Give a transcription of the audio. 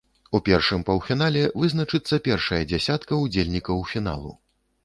У першым паўфінале вызначыцца першая дзясятка ўдзельнікаў фіналу.